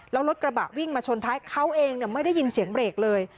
แล้วรถกระบะวิ่งมาชนท้ายเขาเองไม่ได้ยินเสียงเบรกเลย